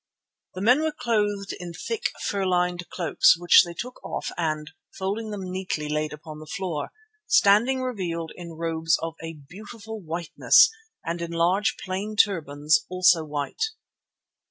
The men were clothed in thick, fur lined cloaks, which they took off and, folding them neatly, laid upon the floor, standing revealed in robes of a beautiful whiteness and in large plain turbans, also white.